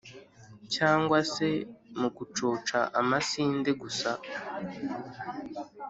cyangwa se mu gucoca amasinde gusa?